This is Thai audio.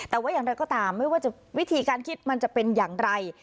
แต่ว่าอย่างไรก็ตามไม่ว่าจะวิธีการคิดมันจะเป็นอย่างไร